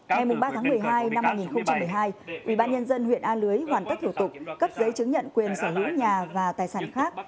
ngày ba tháng một mươi hai năm hai nghìn một mươi hai ubnd huyện a lưới hoàn tất thủ tục cấp giấy chứng nhận quyền sở hữu nhà và tài sản khác